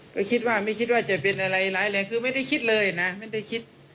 ก็คิดว่าไม่คิดว่าจะเป็นอะไรร้ายแรงคือไม่ได้คิดเลยนะไม่ได้คิด